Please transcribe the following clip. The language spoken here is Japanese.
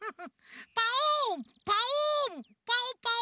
パオンパオンパオパオ。